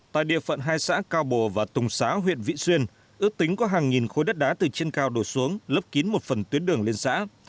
tại địa phận hai xã cao bồ và tùng xá huyện vị xuyên ước tính có hàng nghìn khối đất đá từ trên cao đổ xuống lấp kín một phần tuyến đường liên xã